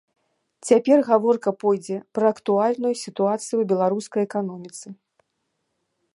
Цяпер гаворка пойдзе пра актуальную сітуацыю ў беларускай эканоміцы.